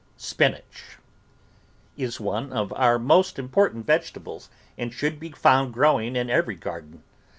SPINACH Is one of our most important vegetables, and should be found growing in every garden.